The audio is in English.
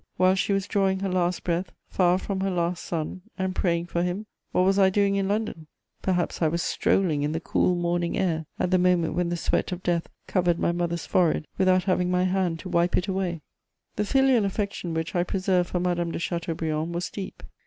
While she was drawing her last breath far from her last son, and praying for him, what was I doing in London? Perhaps I was strolling in the cool morning air at the moment when the sweat of death covered my mother's forehead without having my hand to wipe it away! [Sidenote: The Génie du Christianisme.] The filial affection which I preserved for Madame de Chateaubriand was deep.